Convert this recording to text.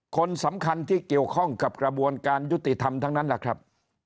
คนสำคัญที่เกี่ยวข้องกับกระบวนการยุติธรรมทั้งนั้นแหละครับ